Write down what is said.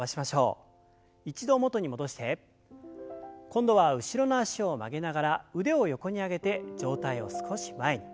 今度は後ろの脚を曲げながら腕を横に上げて上体を少し前に。